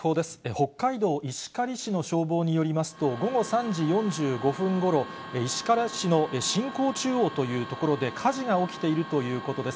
北海道石狩市の消防によりますと、午後３時４５分ごろ、石狩市のしんこうちゅうおうという所で、火事が起きているということです。